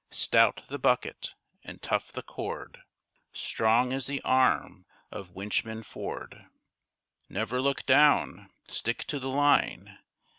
Stout the bucket and tough the cord, Strong as the arm of Winchman Ford. 'Never look down! Stick to the line!